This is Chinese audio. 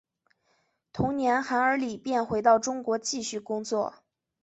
同年韩尔礼便回到中国继续工作。